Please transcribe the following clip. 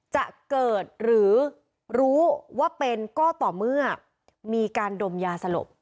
จะเกิดหรือรู้ว่าเป็นก็ต่อเมื่อมีการดมยาสลบ